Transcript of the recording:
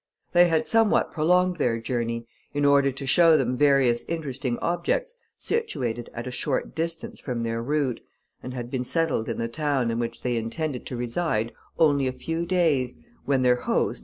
They had somewhat prolonged their journey, in order to show them various interesting objects situated at a short distance from their route, and had been settled in the town in which they intended to reside only a few days, when their host, M.